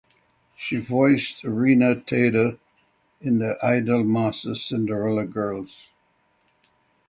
She voiced Riina Tada in "The Idolmaster Cinderella Girls".